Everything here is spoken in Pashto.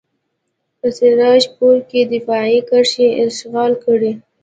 په سراج پور کې دفاعي کرښې اشغال کړئ.